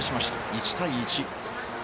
１対１。